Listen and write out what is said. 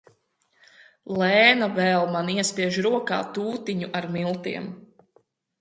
Lēna vēl man iespiež rokā tūtiņu ar miltiem.